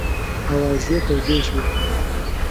آوازې تودې شوې.